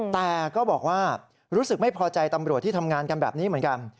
แต่ก็บอกว่ารู้สึกไม่พอใจตำรวจที่ทำงานกันแบบนี้เหมือนกัน